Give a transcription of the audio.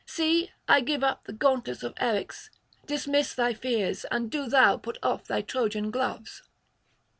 See, I give up the gauntlets of Eryx; dismiss thy fears; and do thou put off thy Trojan gloves.'